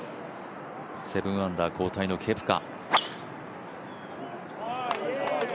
７アンダー後退のケプカ。